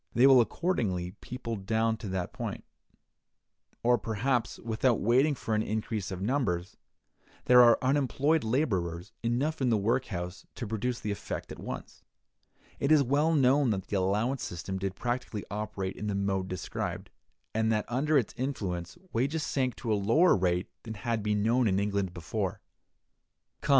They will accordingly people down to that point; or, perhaps, without waiting for an increase of numbers, there are unemployed laborers enough in the workhouse to produce the effect at once. It is well known that the allowance system did practically operate in the mode described, and that under its influence wages sank to a lower rate than had been known in England before.